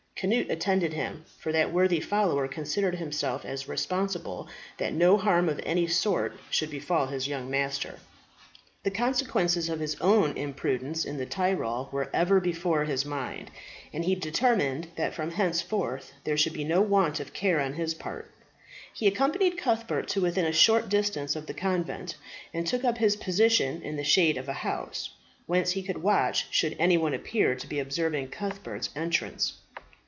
Cnut attended him for that worthy follower considered himself as responsible that no harm of any sort should befall his young master. The consequences of his own imprudence in the Tyrol were ever before his mind, and he determined that from henceforth there should be no want of care on his part. He accompanied Cuthbert to within a short distance of the convent, and took up his position in the shade of a house, whence he could watch should any one appear to be observing Cuthbert's entrance.